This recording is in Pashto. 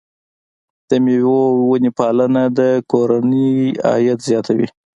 د مېوو ونې پالنه د کورنۍ عاید زیاتوي.